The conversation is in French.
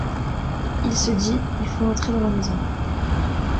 Il se dit : Il faut entrer dans la maison.